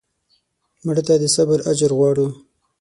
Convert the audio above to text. مړه ته د صبر اجر غواړو